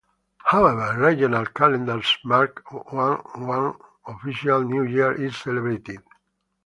However, regional calendars mark one one official new year is celebrated.